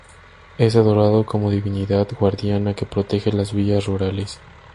Es adorado como divinidad guardiana que protege las villas rurales.